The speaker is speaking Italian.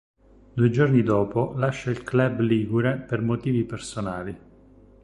Due giorni dopo lascia il club ligure per motivi personali.